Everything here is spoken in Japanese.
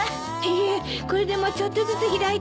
いえこれでもちょっとずつ開いてきて。